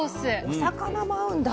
お魚も合うんだ。